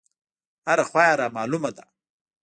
هره خوا يې رامالومه ده.